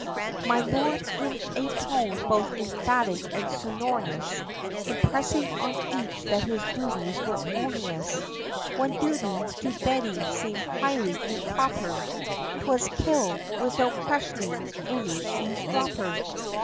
My lord, in a tone both emphatic and sonorous, Impressing on each that his duties were onerous; (One duty, to Betty, seem'd highly improper 'Twas 'kill, without questioning, any eavesdropper!')